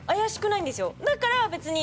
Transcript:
だから別に。